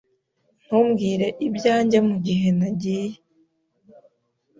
Ntumbwire ibyanjye mugihe nagiye.